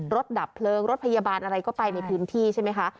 ดับเพลิงรถพยาบาลอะไรก็ไปในพื้นที่ใช่ไหมคะ